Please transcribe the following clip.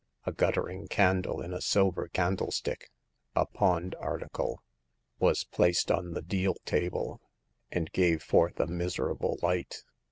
A gutterring candle in a silver candlestick — 3, pawned article — was placed on the deal table, and gave forth a miserable light.